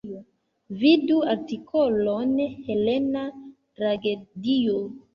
Vidu artikolon Helena tragedio.